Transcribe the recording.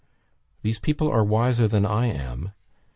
These people are wiser than I am.